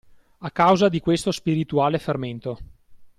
A causa di questo spirituale fermento